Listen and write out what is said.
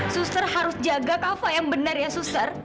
suster harus jaga kafe yang benar ya suster